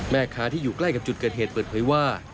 แม่ค้าที่อยู่ใกล้กับจุดเกิดเหตุเปิดเผยว่า